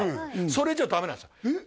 それじゃダメなんですよえっ？